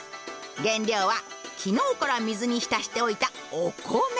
原料は昨日から水に浸しておいたお米。